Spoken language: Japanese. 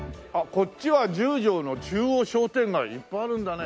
こっちは十条の中央商店街いっぱいあるんだね。